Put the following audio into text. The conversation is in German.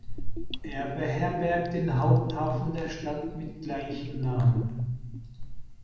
Er beherbergt den Haupthafen der Stadt mit gleichem Namen.